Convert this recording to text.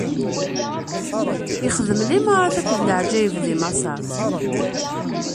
Ixdem limaṛat akked leɛǧayeb di Maṣer.